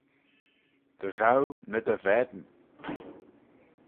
Dy ghoo ny dy vane